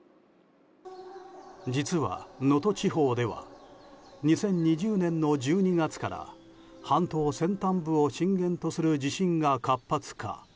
実は、能登地方では２０２０年の１２月から半島先端部を震源とする地震が活発化。